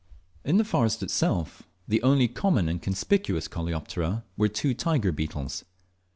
In the forest itself the only common and conspicuous coleoptera were two tiger beetles.